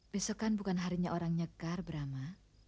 besok kan bukan harinya orang nyegar brahma